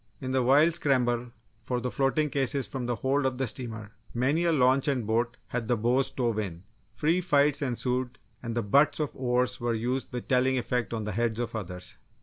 In the wild scramble for the floating cases from the hold of the steamer, many a launch and boat had the bows stove in. Free fights ensued and the butts of oars were used with telling effect on the heads of others.